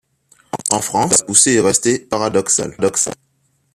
En France la poussée est restée paradoxale.